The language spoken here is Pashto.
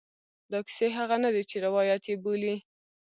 دا کیسې هغه نه دي چې روایت یې بولي.